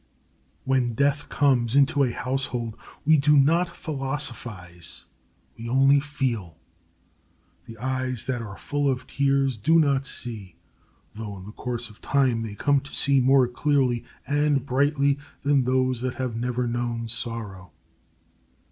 When death comes into a household, we do not philosophize; we only feel. The eyes that are full of tears do not see, though, in the course of time, they come to see more clearly and brightly than those that have never known sorrow.